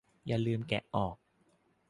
อย่าลืมแกะออก